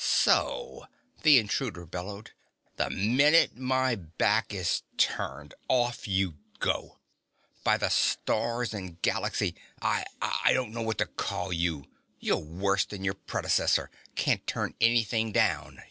"So!" the intruder bellowed. "The minute my back is turned, off you go! By the Stars and Galaxy, I I don't know what to call you! You're worse than your predecessor! Can't turn anything down!